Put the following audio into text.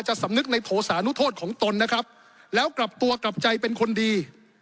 สำนึกในโถสานุโทษของตนนะครับแล้วกลับตัวกลับใจเป็นคนดี